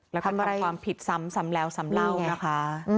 แล้วก็ความผิดซ้ำแล้วซ้ำเล่านะคะ